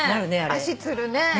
足つるねー。